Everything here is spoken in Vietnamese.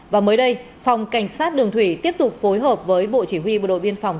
và mới đây phòng cảnh sát đường thủy tiếp tục phối hợp với bộ chỉ huy bộ đội biên phòng